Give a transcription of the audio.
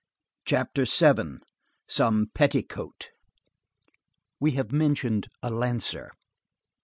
CHAPTER VII—SOME PETTICOAT We have mentioned a lancer.